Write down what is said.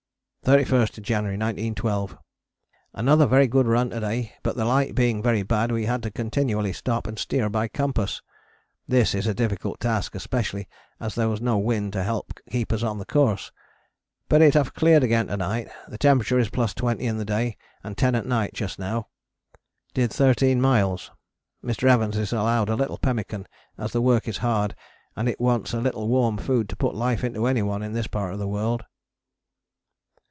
31st January 1912. Another very good run to day but the light being very bad we had to continually stop and steer by compass. This a difficult task, especially as there was no wind to help keep on the course, but it have cleared again to night, the temperature is plus 20 in the day and 10 at night just now. Did 13 miles. Mr. Evans is allowed a little pemmican as the work is hard and it wants a little warm food to put life into anyone in this part of the world.